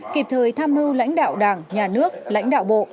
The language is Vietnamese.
kịp thời tham mưu lãnh đạo đảng nhà nước lãnh đạo bộ